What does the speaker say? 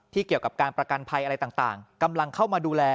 เกี่ยวกับการประกันภัยอะไรต่างกำลังเข้ามาดูแล